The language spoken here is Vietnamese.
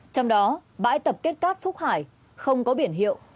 trong đó bãi tập kết cát phúc hải không có biển hiệu